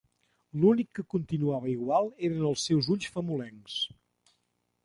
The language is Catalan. L'únic que continuava igual eren els seus ulls famolencs.